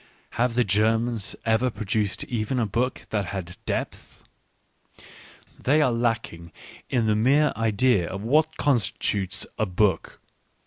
... Have the Germans ever \ produced even a book that had depth ? They are lacking in the mere idea of what constitutes a book.